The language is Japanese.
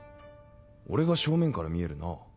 俺が正面から見えるなぁ。